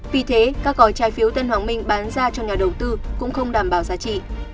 vì thế các gói trái phiếu tân hoàng minh bán ra cho nhà đầu tư cũng không đảm bảo giá trị